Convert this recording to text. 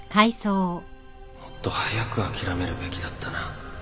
もっと早く諦めるべきだったな